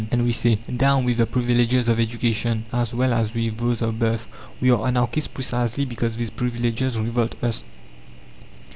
And we say, '"Down with the privileges of education, as well as with those of birth!" We are anarchists precisely because these privileges revolt us.